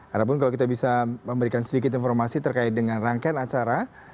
ada pun kalau kita bisa memberikan sedikit informasi terkait dengan rangkaian acara